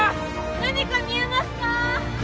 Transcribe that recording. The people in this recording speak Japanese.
何か見えますか？